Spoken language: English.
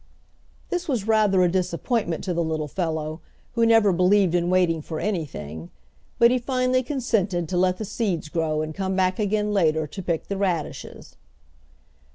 This was rather a disappointment to the little fellow, who never believed in waiting for anything, but he finally consented to let the seeds grow and come back again later to pick the radishes.